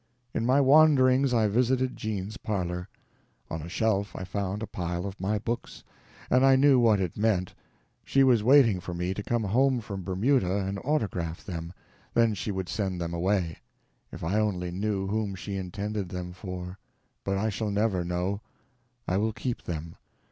In my wanderings I visited Jean's parlor. On a shelf I found a pile of my books, and I knew what it meant. She was waiting for me to come home from Bermuda and autograph them, then she would send them away. If I only knew whom she intended them for! But I shall never know. I will keep them.